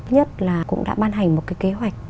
nhất là cũng đã ban hành một kế hoạch